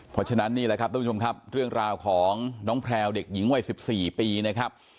เพราะฉะนั้นนี่แหละครับทุกผู้ชมครับเรื่องราวของน้องแพลวเด็กหญิงวัย๑๔ปีนะครับ